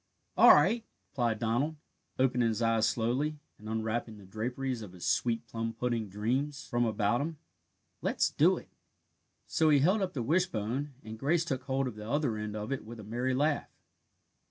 "All right," replied Donald, opening his eyes slowly, and unwrapping the draperies of his sweet plum pudding dreams from about him, "let's do it now." So he held up the wishbone, and Grace took hold of the other end of it with a merry laugh.